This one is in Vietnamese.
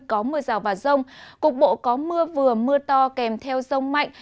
có mưa rào và rông cục bộ có mưa vừa mưa to kèm theo rông mạnh